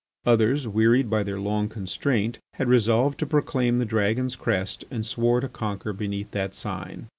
Others, wearied by their long constraint, had resolved to proclaim the Dragon's crest and swore to conquer beneath that sign.